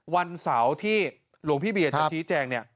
วันเสาร์ที่หลวงพี่เบียจะชี้แจงเนี่ย